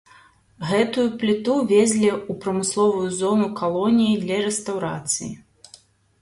Гэтую пліту везлі ў прамысловую зону калоніі для рэстаўрацыі.